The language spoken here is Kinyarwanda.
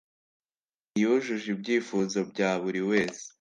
ntiyujuje ibyifuzo bya buri wese.